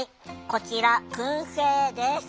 こちらくん製です。